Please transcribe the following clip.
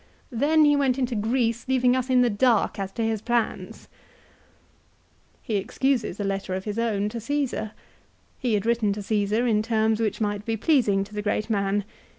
Then he went into Greece, leaving us in the dark as to his plans !" He excuses a letter of his own to Caesar. He had written to Csesar in terms which might be pleasing to the great man.